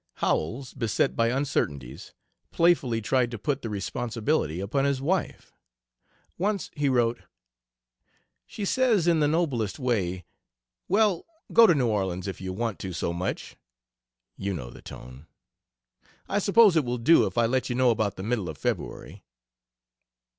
Howells, beset by uncertainties, playfully tried to put the responsibility upon his wife. Once he wrote: "She says in the noblest way, 'Well, go to New Orleans, if you want to so much' (you know the tone). I suppose it will do if I let you know about the middle of February?"